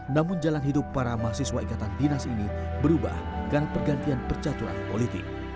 namun jalan hidup para mahasiswa ikatan dinas ini berubah karena pergantian percaturan politik